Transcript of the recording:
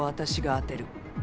当てる。